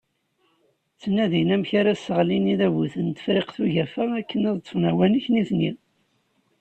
Ttnadin amek ara seɣlin idabuyen n Tefriqt n Ugafa akken ad ṭfen awanek nutni.